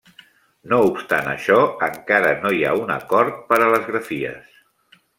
No obstant això, encara no hi ha un acord per a les grafies.